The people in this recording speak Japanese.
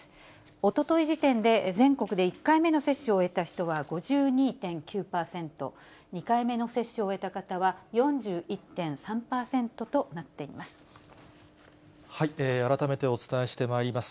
おととい時点で、全国で１回目の接種を終えた人は５２．９％、２回目の接種を終えた方は４１．３％となっています。